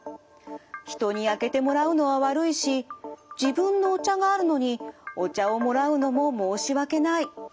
人に開けてもらうのは悪いし自分のお茶があるのにお茶をもらうのも申し訳ない。